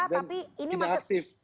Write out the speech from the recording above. dan tidak aktif